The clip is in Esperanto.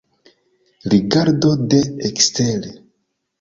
Rigardo de ekstere.